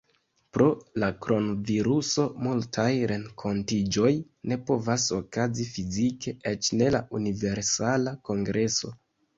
Pro la kronviruso multaj renkontiĝoj ne povas okazi fizike, eĉ ne la Universala Kongreso.